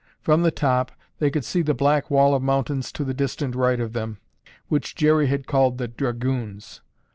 From the top, they could see the black wall of mountains to the distant right of them, which Jerry had called "The Dragoons."